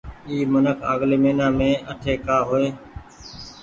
اي منک آگلي مهينآ مين اٺي ڪآ هو ئي۔